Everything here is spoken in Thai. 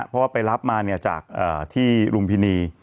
เพราะว่าไปรับมาจากที่ลุมพินี